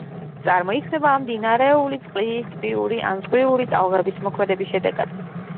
წარმოიქმნება მდინარეული წყლის, ტბიური ან ზღვიური ტალღების მოქმედების შედეგად.